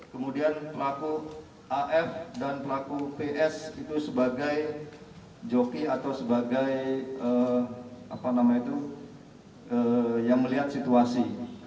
kemudian pelaku af dan pelaku ps itu sebagai joki atau sebagai apa namanya itu yang melihat situasi